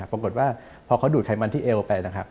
ปรากฏว่าพอเขาดูดไขมันที่เอวไปนะครับ